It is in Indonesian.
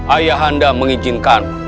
ayah anda mengizinkan